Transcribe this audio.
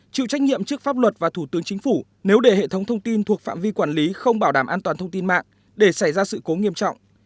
chịu trách nhiệm trước pháp luật và thủ tướng chính phủ nếu để hệ thống thông tin thuộc phạm vi quản lý không bảo đảm an toàn thông tin mạng để xảy ra sự cố nghiêm trọng